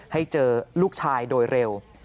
ให้เจอลูกชายโดยเร็ว